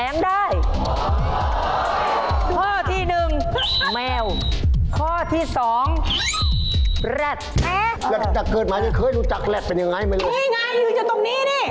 นี่ไงอยู่จะตรงนี้นี้